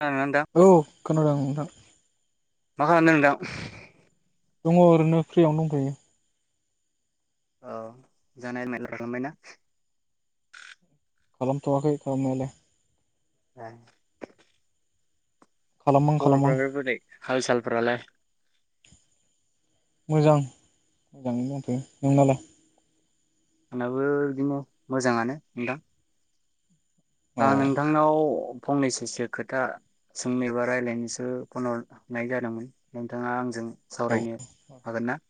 खोनादोंना नोंथां औ खोनादों नदां मा खालामदों दा? दङ ओरैनो फ्रियावनो दंफयो। औ जानाय म रायना। खलम थ'वाख थ गले- ह खालामहां खालामहां खरबोदै हाल सालफोरालाय। मोजां, मोजाङैनो दंथैयो नोंनालाय? आंनाबो बिदिनो मोजाङानो नोंदां? औ आं नोंथांनाव‌। फंनैसोसो खोथा सोंनोबा रायजलायनोसो फनहररनाय जादोंमोन नोंथाङा आंजों। औ सावरायनो हागोन ना?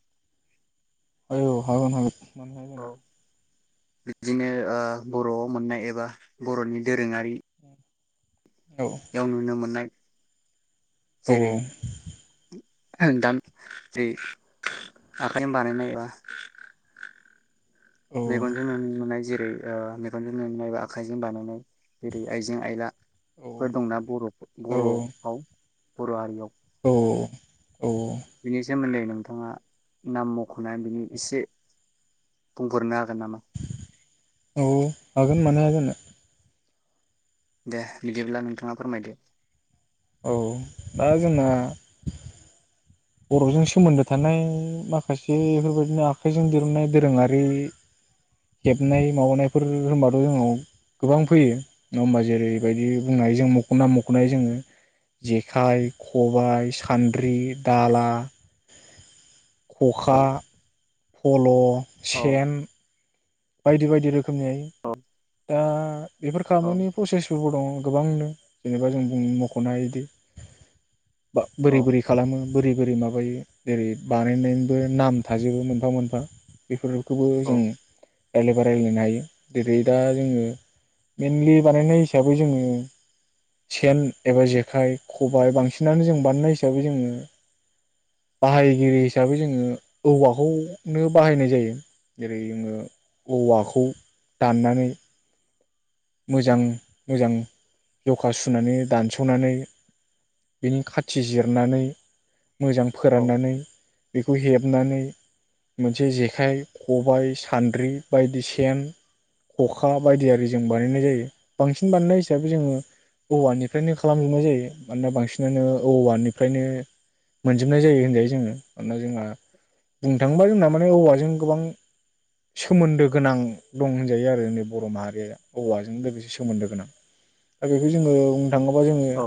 औय ह हाग मानहाय औ जानो। बिदिनो बर'आव मोननाय एबा बर'नि दोरोङारि ए [inaudible] बेयाव नुनो मोननाय। औ सेर दाम जायो आखाइजों बानायनायबा। औ मेगनजों नुनो मोननाय जेरै ओ मेगनजों नुनानै एबा आखाइजों बानायनाय जेरै आइजें आइला। औ फोर दंना बर' बर'आव। बर' हारियाव औ-औ। बिनि सोमोन्दै नोंथाङा नाम मख'नानै बिनि एसे बुंहरनो हागोन नामा? औ हागोन, मानो हाया जानो? दे बिदिब्ला नोंथाङा फोरमायदो। औ दा जोंना। बर'जों सोमोन्दो थानाय, माखासे बेफोरबायदिनो आखाइजों दिरुननाय दोरोङारि हेबनाय माबानायफोर होनबाथ' जोंङो गोबां फैयो नङा होमबा जेरैबायदि बुंनाय जों मख' नाम मख'नाय जोङो जेखाइ खबाइ सान्द्रि। दाला औ खखा फल' औ सेन बायदि बायदि रो खोमै औ दा बेफोर औ खालामनायनि प्रसेसफोरबो दङ। गोबांनो जेनेबा जों बुं मख'नो हायोदि बा औ बोरै बोरै खालामो बोरै बोरै मायो माबायो जेरै बानायनायनिबो नाम थाजोबो मोनफा मोनफा बेफोर खौबो औ जोंङो रायलायबा रायज्लायनो हायो जेरै दा जोङो मेनलि बानायनाय हिसाबै जोङो सेन एबा जेखाइ खबाइ बांसिनानो जों बानायनाय हिसाबै जोङो बाहायगिरि हिसाबै जोङो औवाखौनो बाहायनाय जायो जेरै जोङो औवाखौ दाननानै नै मोजां मोजां जखा सुनानै दानस'नानै बेनि खाथि जिरनानै मोजां औ फोराननानै बेखौ हेबनानै मोनसे जेखाइ, खबाइ, सान्द्रि बायदि सेन खखा बायदि आरिजों बानायनाय जायो बांसिन बानायनाय हिसाबै जोङो औवानिफ्रायनो खालामजोबनाय जायो मानोना बांसिनानो औवानिफ्रायनो मोनजोबनाय जायो होनजायो जोङो मानोना जोंहा बुंनो थांबा जोंना माने औवाजों गोबां सोमोन्दो गोनां दं होनजायो आरो जोंनि बर' माहारिया औवाजों लोगोसे सोमोन्दो गोनां दा बेखौ जोङो थाङोबा जोङो औ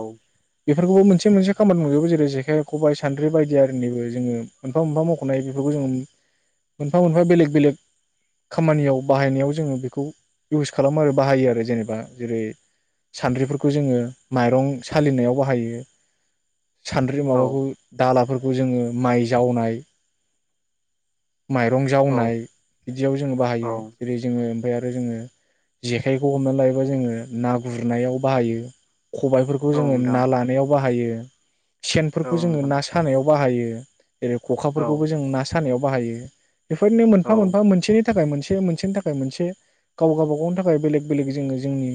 बेफोरखौ मोनसे मोनसे मोनसे खामानि मावजोबो जेरै जेखाइ खबाइ सान्द्रि बायदि आरिनिबो जोङो मोनफा मोनफा मख'नाय बेफोरखौ जोङो मोनफा मोनफा बेलेग बेलेग खामानियाव बाहायनायाव जोङो बेखौ इउस खा खालामो आरो बाहायो आरो जेनेबा जेरै सान्द्रिफोरखौ जोङो माइरं सालिनायाव बाहायो सान्द्रि औ माबाखौ दालाफोरखौ जोङो माइ जावनाय माइरं जावनाय बिदियाव जोङो औ बाहायो जेरै जोङो ओमफ्राय ओमफ्राय जोङो जेखाइखौ हमनानै लायोबा जोङो ना गुरनायाव बाहायो। खबाइफोरखौ औ जोङो नोंथां ना लानायाव बाहायो औ सेनफोरखौ जोङो नोंथां ना सानायाव बाहायो। जेरै औ खखाफोरखौबो जों ना सानायाव बाहायो बेफोरनो औ मोनफा मोनफा मोनसेनि थाखाय मोनसे मोनसेनि थाखाय मोनसे गाव गावबा गावनि थाखाय थाखाय बेलेग बेलेग जोङो जोंनि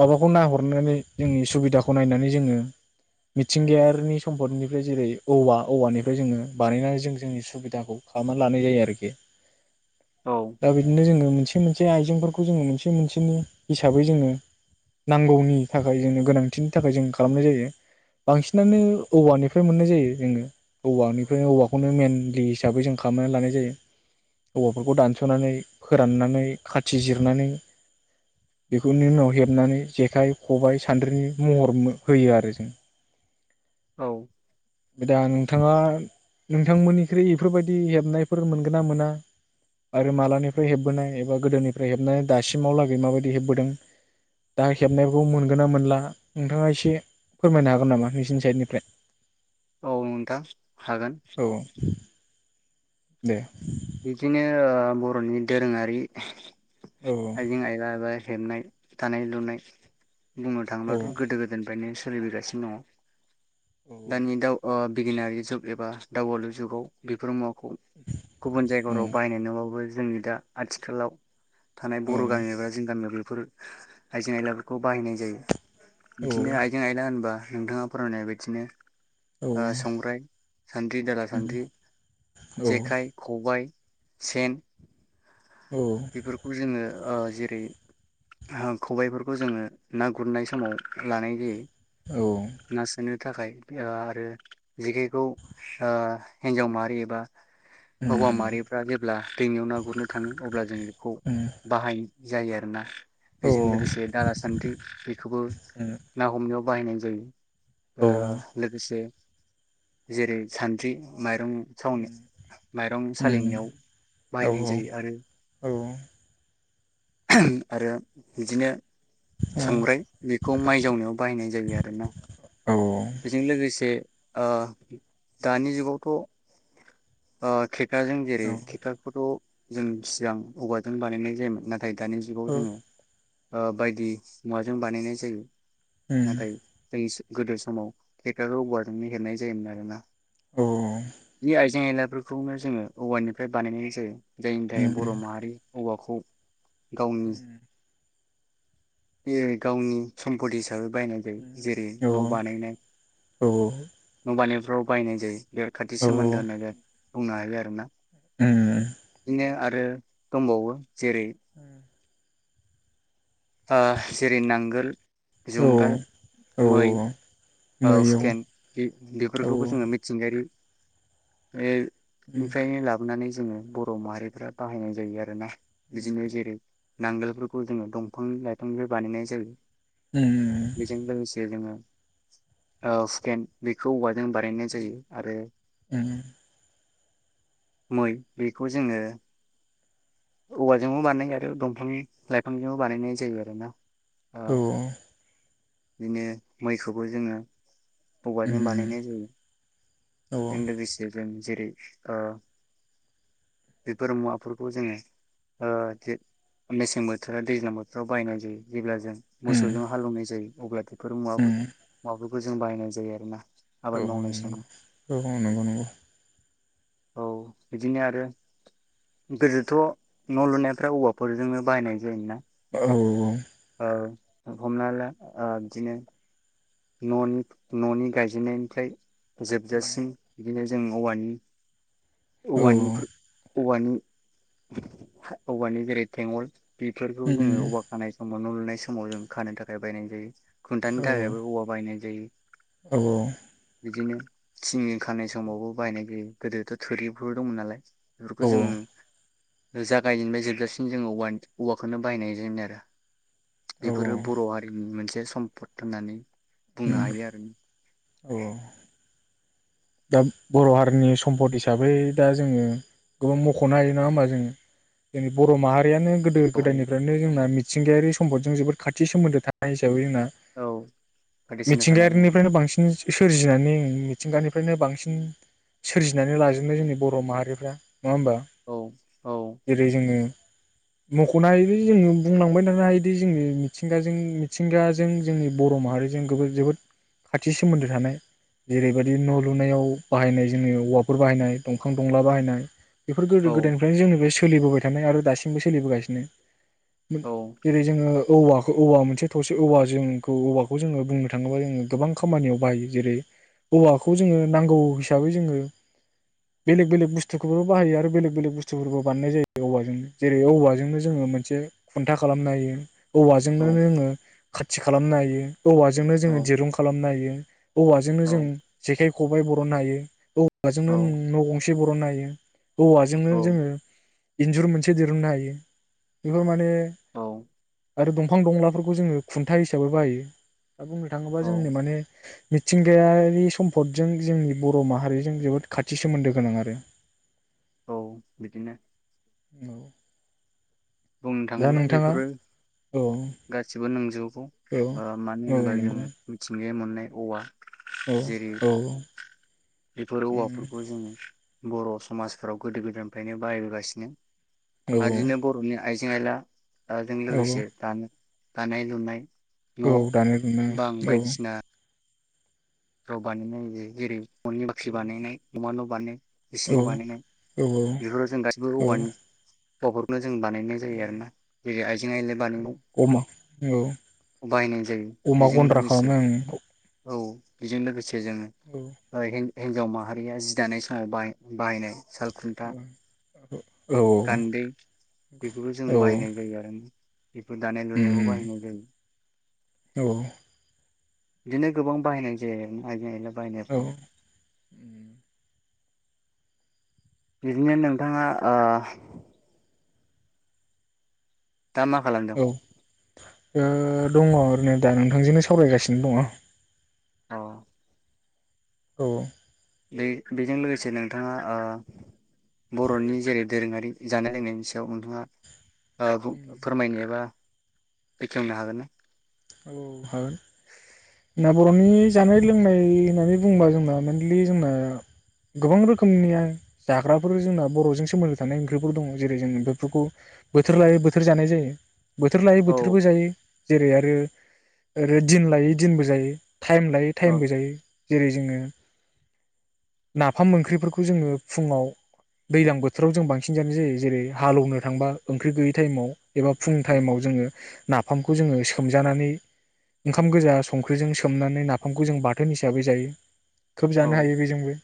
माबाखौ नायाहरनानै जोंनि सुबिदाखौ नायनानै जोङो मिथिंगायारिनि सम्पदनिफ्राय जेरै औवा औवानिफ्राय जोङो बानायनानै जों जोंनि सुबिदाखौ खालामनानै लानाय जायो आरोखि औ दा बिदिनो जोङो मोनसे मोनसे आइजें खौ जोङो मोनसे मोनसेनि हिसाबै जोङो नांगौनि थाखाय जोंनो गोनांथिनि थाखाय जों खालामनाय जायो बांसिनानो औवानिफ्राय मोननाय जायो जोङो औवानिफ्रायनो औवाखौनो मेनलि हिसाबै जों खालामनानै लानाय जायो औवाफोरखौ दानस'नानै फोराननानै खाथि जिर-' नानै बेफोरनि उनाव हेबनानै जेखाइ खबाइ सान्द्रिनि महर होयो आरो जों। औ। दा नोंथाङा नोंथांमोननिखै इफोरबायदि हेबनायफोर मोनगोन ना मोना आरो मालानिफ्राय हेबबोनाय एबा गोदोनिफ्राय हेबनाय दासिमावलागै माबायदि हेबबोदों दा हेबनायफोरखौ मोनगोन ना मोनला नोंथाङा एसे फोरमायनो हागोन नामा नोंसिनि साइडनिफ्राय? औ नोंथां। हागोन औ। दे। बिदिनो बर'नि दोरोङारि औ आइजें -आयला बानायनाय हेबनाय दानाय लुनाय बुंनो औ थाङोब्लाथ' गोदो- गोदायनिफ्रायनो सोलिबोगासिनो दङ। औ दानि दाउगानाय ओ बिगियारि जुग एबा दावबायालु जुगाव बेफोर मुवाखौ गुबुन जायगाफोराव उम बायनाय नङाबाबो जोंनि दा आथिखालाव थानाय औ बर' गामि एबा जों गामियावबो बे आइजोें -आयलाफोरखौ बाहायनाय जायो। औ बिदिनो आइजें -आइला होनबा नोंथाङा फोरमायनाय बायदिनो औ संग्राय सान्द्रि दाला उम सान्द्रि औ जेखाइ खबाय सेन औ बेफोरखौ जोङो ओ जेरै खबायाइफोरखौ जोङो ना गुरनाय समाव लानाय जायो। औ ना सोनो थाखाय ओ आरो जेखाइखौ ओ हिन्जाव माहारि एबा हौवा उम माहाफ्रा जेब्ला दैमायाव ना गुरनो थाङो अब्ला जों बेखौ उम बाहायनाय जायो आरोना। औ उम बेजों लोगोसे दाला सान्द्रि बेखौबो औ उम ना हमनायाव बाहायनाय जायो। ओ लोगोसे जेरै- सान्द्रि माइरं जावनो माइरं उम सालिनायाव औ बाहायनाय औ उम औ उम औ उम औ जायो आरो औ। ओहोम आरो बिदिनो संग्राय बिखौ माइ जावनायाव बाहायनाय जायो आरोना। बिजों लोगोसे ओ दानि जुगावथ' ओ ट्रे दाजों जेरै खेखाखौथ' जों थियां औवाजों बानायनाय जायोमोन ना थाय दानि जुगाव जोङो। ओ बायदि मुवाजों बानायनाय जायो। नाथाय जोंनि सु। गोदोसो समाव हेकार औवाजोंनो हेबनाय जायोमोन आरोना। बि आइजें आइला फोरखौनो जोङो औवाननिफ्राय बानायनाय जायो। जायनि थाखाय बर' माहारि औवाखौ। गावनिस। बियो गावनि सम्पतिस दों बायनाय जायो जेरै न'ब। बानायनाय न बानायब फ्राव बाहायनाय जायो। बेफोर खाथि सोमोन्दो नोंयो। बुंनो हायो आरोना। दिनै आर रो दंबावो जेरै उम। ओ जेरै नांगोल। जुंगाल मै ओ मै औ हुकेन औ उम बि-बिफोरखौबो जोङो उम मिथिंगायारि। मेब। निफ्रायनो लाबोनानै जो जोङो बर' माहारिफोरा बाहायनाय जायो आरोना बिदिनो जेरै नांगोलफोरखौ जोङो दं फां लाइफांनिफाय बानायनाय जायो। बिजों लोगोसे जोङो। औ हुखेन बिखौ औवाज जों बानायनाय उम जायो आरो। मै बेखौ जोङो औवाजोंबो बानायनाय आरो दंफां लाइफांजोंबो बानायनाय जायो आरो ना औ-औ बिदिनो मैखौबो जोङो औवाजों बानायनाय जायो उम बेजों लोगोसे जों जेरै ओ बेफोर मुवाफोरखौ जोङो ओ जे मेसें बोथोर दैज्लां बोथोराव बायनाय जायो। जेब्ला जों औ मोसौ उम जों हाल एवनाइ जायो। अब्ला [unintelligible] उम फोर [unintelligible] जों बाहायनाय जायो आरोना आबाद औ-औ मावनाय नंगौ समाव औ-औ नंगौ नंगौ। औ बिदिनो आरो गोदोथ' न' लुनायफ्रा औवाफोरजोंनो बाहायनाय जायोना औ-औ औ हमना ला ओ बिदिनो न'नि न'नि गायजेननायनिफ्राय जोबजासिम बिदिनो जों औवानि औ औवानिफोर औवानि औवानि जेरै थेंवल। बेफोरखौ जोङो औवा खानाय सम न' लुनाय समाव जों खानो थाखाय बायनाय जायो। खुन्थानो थाखायबो औवा बायनाय जायो। औ औ औ बिदिनो थिं खानाय समावबो बाहायनाय जायो। गोदोथ' थोरिफोर दंमोन नालाय बेफोरखौ जोङो ओ जागायनानै जोबजासिम जोङो औवानि औवाखोनो बाहायनाय जायोमोन आरो। औ बेफोरो बर' हारिनि मोनसे सम्पद होन्नानै बुंनो उम हायो आरो औ औ दा बर' हारिनि सम्पद हिसाबै दा जोङो गोबां मख'नो हायो नङा होमबा जोङो जोंनि बर' माहारियानो गोदो बेवहाय गोदायनिफ्रायनो जोंना मि थिंगायारि सम्दजों जोबोर खाथि सोमोन्दो थानाय हिसाबै जोंना औ बायदि सोननो थानाय मिथिंगायारिनिफ्रायनो बांसिन सोरजिनानै मिथिंगानिफ फ्रायनो बांसिन सोरजिनानै लाजोबनो जोंनि बर' माहारिफ्रा नङा ओमबा औ औ जेरै जोङो मख'नो हायोदि जोङो बुंलांबाय थानो हायोदि जोंनि मिथिंगाजों मिथिंगाजों जोंनि बर' माहारिजों गोबोद जोबोद खाथि सोमोन्दो थानाय जेरैबायदि न' लुनायाव बाहायनाय जोंनि औवाफोर बाहायनाय दंफां दंला बाहायनाय बेफोर गोदो औ गोदायनिफ्रायनो जोंनि बे सो सोलिबोबाय थानाय आरो दासिमबो सोलिबोगासिनो। मोन औ जेरै जोङो औवाख औवा मोनसे थसे औवा जों खौ औवाखौ जोङो बुंनो थाङोबा जों गोबां खामानियाव बाहायो जेरै औवाख खौ जोङो नांगौ हिसाबै जोङो बेलेग बेलेग बुस्थुखौबो बाहायो आरो बेलेग बेलेग बुस्थुफोरबो बानायनाय जायो औवाजोंनो जेरै औवाजोंनो जोङो मोनसे खुन्था खालामनो हायो। औवाजोंनो औ जोङो खाथि खालामनो हायो। औवाजोंनो औ जोङो दिरुं खालामनो हायो। औवाजोंनो औ जों सेन खबाय बरननो हायो। औवाजोंनो न' गंसे बरननो हायो। औवाजोंनो औ जोङो इन्जुर मोनसे दिरुननो हायो बेफोर माने औ [inaudible] आरो दंफां दंलाफोरखौ जोङो खुन्था हिसाबै बाहायो। दा बुंनो थाङोब्ला औ जोंनो माने मिथिंगायारि सम्प सम्पदजों जोंनि बर माहारिजों जोबोद खाथि सोमोन्दो गोनां आरो। औ बिदिनो। औ। बुंनो दा थाङोब्ला नोंथाङा बेफोरो औ गासिबो नोंजोब खौ औ मानो औ होनबा जों नंगौ मिथिंगाया मोन नाय औवा औ जेरै औ बेफोर औवाफोरखौ जोंङो। बर' समाजफोराव गोदो गोदायनिफ्रायनो बाहायबोगासिनो। औ बादिनो बर'नि आइजें आयला ओ जोंनि औ दानाय लुनाय। औ दानाय लुनाय औ। गावनो बानायो जेरै। [unintelligible] बानायनाय। नमा न' बानाय इसिं औ न' बानायनाय औ बेफोराव जों गासिबो औ औवानि न'फोरखौनो जों बानायनाय जायो आरो ना जेरै आइजें आइला बानायनायाव अमा औ [inaudible] बाहायनाय जायो अमा बेजों गन्द्रा लोगोसे खालामनो औ। बेजों लोगोसे जोङो ओं [inaudible] ओ हिन्जाव माहारिया जि दानाय समाव बाहा-बाहायनाय। साल खुन्था औ औ। औ गान्दै बेखौबो जों औ बाहायनाय जायो आरो बेफोर दानाय लुनायावबो बाहायनाय जायो। औ। बिदिनो गोबां बाहायनाय जायो आरो आइजें आइला बानायनायफ्राव। [inaudible] बिदिनो नोंथाङा आ दा मा खालामदों? ओ दङ ओरैनो दा नोंथांजोंनो सावरायगासिनो दङ। औ औ बे बेजों लोगोसे नोंथाङा ओ बर'नि जेरै दोरोङारि जानाय लोंनायनि सायाव नोंथाङा ओ [unintelligible] फोरमायनोबा बेखेवनो हागोन ना? औ हागोन, जोंना बर'नि जानाय लोंनाय होननानै बुङोबा जोंना मेइेनलि जोंना, गोबां रोखोमनिया जाग्राफोर जोंना बर'जों सोमोन्दो थानाय ओंख्रिफोर दङ जेरै जों बेफोरखौ बोथोर लायो बोथोर जानाय जायो। बोथोर लायै औ बोथोरबो जायो। जेरै आरो ओरै दिन लायै दिनबो जायो। टाइम लायो औ टाइमबो जायो। जेरै जोङो [inaudible] नाफाम ओंख्रिफोरखौ जोङो फुङाव दैलां बोथोराव जों बांसिन जानाय जायो जेरै हालौवनो थांबा ओंख्रि गैयै टाइमाव। एबा फुं टाइमाव जोङो नाफामखौ जोङो सोमजानानै ओंखाम गोजा संख्रिजों सोमनानै नाफामखौ जों बाथोन हिसाबै जायो। खोब औ जानो हायो बेजोंबो।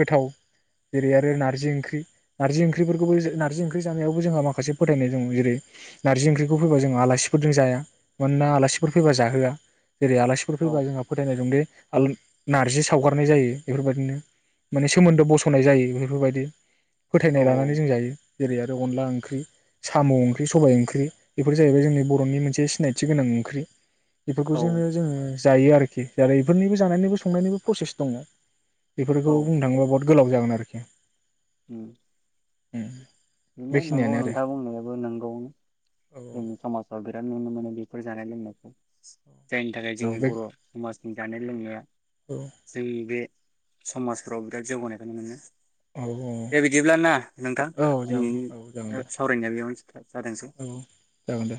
गोथाव जेरै आरो नारजि ओंख्रि। नारजि ओंख्रिफोरखौबो नारजि ओंख्रि जानायावबो जोंहा माखासे फोथायनाय दङ'। एरै नारजि ओंख्रिखौ फैबा जों आलासिफोरजों जाया। मानोना आलासि फोर फैबा जाहोआ। जेरै आलासिफोर औ फैबा जोंहा फोथायनाय दं दि [unintelligible] नार्जि सावगारनाय जायो। बेफोरबायदिनो माने सोमोन्दो बस'नाय जायो बेफोरबायदि। फोथायनाय लानानै औ जों जायो जेरै आरो अनला ओंं ख्रि साम' ओंख्रि सबाय ओंख्रि बेफोर जाहैबाय जोंनि बर'नि मोनसे सिनायथि गोनां ओंख्रि। बेफोरखौ औ जोङो जोङो जायो आरो खि जेरै इफोरनिबो जानायनिबो संनायनिबो प्रसेस दङ'। बेफोरखौ बुंनो थाङोबा बहुत गोलाव जागोन आरोखि। उम [unintelligible] नंगौ बेखिनियानो नोंथाङा बुंनायाबो नोंगौ। आरो जोंनि समाजाव बिराद नुनो मोनो। बि फोर जानाय लोंनायखौ। जायनि थाखाय औ जोंनि बे बर' समाज जानाय लोंनाया जोंनि बे समाजफ्राव बिराद जौगानायखौ नुनो मोनो। औ दे बिदिब्ला ना नोंथां औ जागोन दिनैनि औ जागोन ओ दे सावरायनाया बेयाव थादोंसै। औ जागोन दे